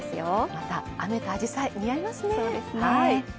また雨とあじさい似合いますね。